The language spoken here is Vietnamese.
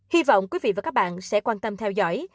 hy vọng quý vị và các bạn sẽ quan tâm theo dõi